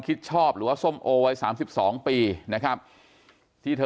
กลุ่มตัวเชียงใหม่